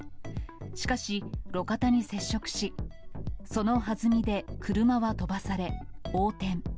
しかし、路肩に接触し、そのはずみで車は飛ばされ、横転。